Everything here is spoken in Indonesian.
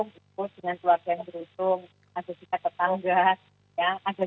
seperti yang tadi saya sampaikan juga ya